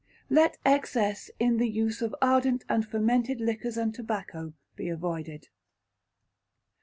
Let Excess in the use of ardent and fermented liquors and tobacco be avoided.